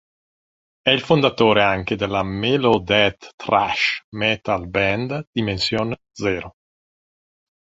È il fondatore anche della melodeath-thrash metal band Dimension Zero.